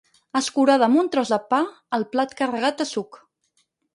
Escurada amb un tros de pa al plat carregat de suc.